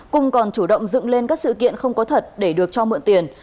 cùng còn chủ động dựng lên các sự kiện không có thật để được cho mượn tiền